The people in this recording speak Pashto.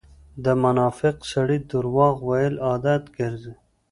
د منافق سړی درواغ وويل عادت ګرځئ.